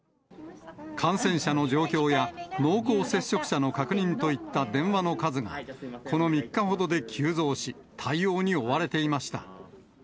感染者の状況や濃厚接触者の確認といった電話の数が、この３日ほどで急増し、対応に追われていました。